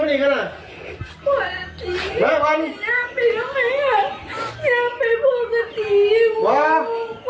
มีอะไรหรือว่า